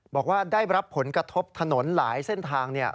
บอกว่าได้รับผลกระทบถนนหลายเส้นทาง